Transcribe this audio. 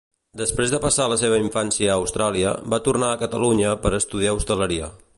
Després de passar la seva infància a Austràlia, va tornar a Catalunya per estudiar hostaleria.